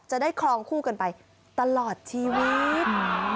ครองคู่กันไปตลอดชีวิต